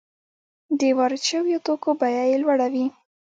د وارد شویو توکو بیه یې لوړه وي